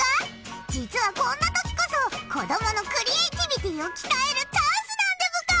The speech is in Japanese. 実はこんなときこそ子供のクリエーティビティを鍛えるチャンスなんでブカ。